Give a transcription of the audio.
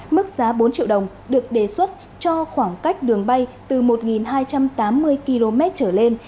mức giá bốn triệu đồng được đề xuất cho khoảng cách đường bay từ một hai trăm tám mươi km trở lên